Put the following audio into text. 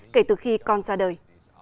kể từ khi con ra đời